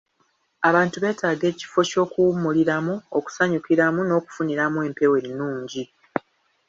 Abantu beetaaga ekifo ky'okuwummuliramu, okusanyukiramu n'okufuniramu empewo ennungi.